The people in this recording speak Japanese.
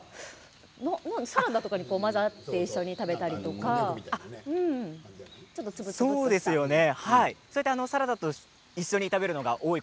サラダとかに混ぜて一緒に食べたりとか、そうやってサラダと一緒に食べることが多い